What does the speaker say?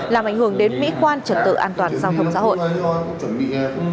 làm ảnh hưởng đến mỹ quan trật tự an toàn giao thông xã hội